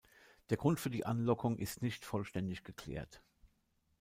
Der Grund für die Anlockung ist nicht vollständig geklärt.